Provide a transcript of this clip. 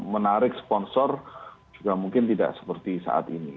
menarik sponsor juga mungkin tidak seperti saat ini